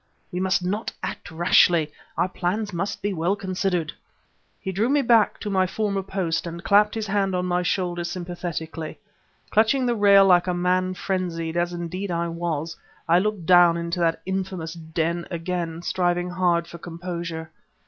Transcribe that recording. We must not act rashly; our plans must be well considered." He drew me back to my former post and clapped his hand on my shoulder sympathetically. Clutching the rail like a man frenzied, as indeed I was, I looked down into that infamous den again, striving hard for composure.